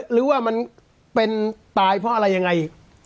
หรือว่ามันเป็นตายเพราะอะไรยังไง